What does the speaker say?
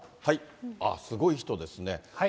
あっ、すごい人ですね。